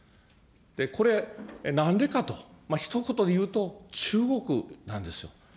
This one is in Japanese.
これ、なんでかと、ひと言で言うと、中国なんですよ。